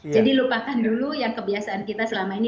jadi lupakan dulu yang kebiasaan kita selama ini